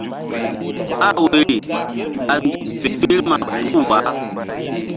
Bah woyri ɓa nzuk fe firma puh wah.